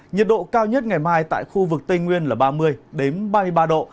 nhiệt độ cao nhất ngày mai tại khu vực tây nguyên là ba mươi ba mươi ba độ